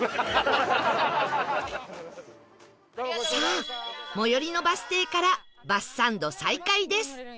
さあ最寄りのバス停からバスサンド再開です